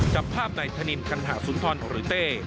จับภาพนายธนินกัณหาสุนทรหรือเต้